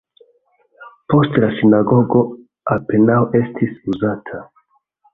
Poste la sinagogo apenaŭ estis uzata.